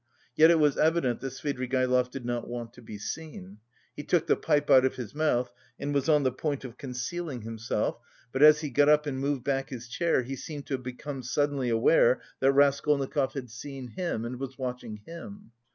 Yet, it was evident that Svidrigaïlov did not want to be seen. He took the pipe out of his mouth and was on the point of concealing himself, but as he got up and moved back his chair, he seemed to have become suddenly aware that Raskolnikov had seen him, and was watching him.